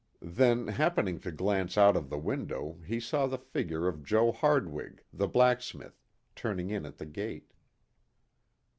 Then happening to glance out of the window he saw the figure of Joe Hardwig, the blacksmith, turning in at the gate.